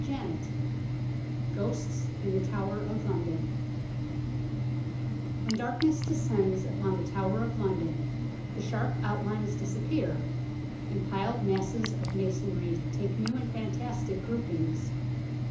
IV GHOSTS IN THE TOWER OF LONDON WHEN darkness descends upon the Tower of London the sharp outlines disappear, and piled masses of masonry take new and fantastic groupings.